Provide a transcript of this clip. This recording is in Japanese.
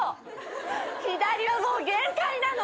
左はもう限界なの！